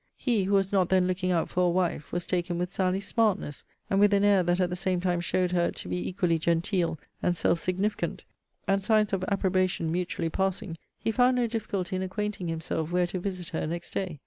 He, who was not then looking out for a wife, was taken with Sally's smartness, and with an air that at the same time showed her to be equally genteel and self significant; and signs of approbation mutually passing, he found no difficulty in acquainting himself where to visit her next day.